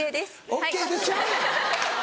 「ＯＫです」ちゃうねん！